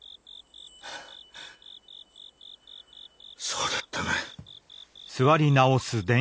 そうだったな。